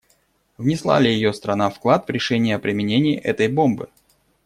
Внесла ли ее страна вклад в решение о применении этой бомбы?